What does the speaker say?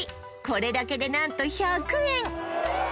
これだけでなんと１００円